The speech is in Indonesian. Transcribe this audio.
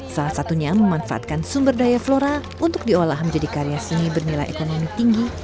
salah satunya memanfaatkan sumber daya flora untuk diolah menjadi karya seni bernilai ekonomi tinggi